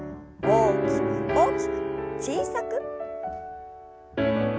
大きく大きく小さく。